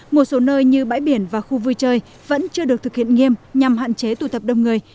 một số nơi như bãi biển và khu vui chơi vẫn chưa được thực hiện nghiêm nhằm hạn chế tụ tập đông người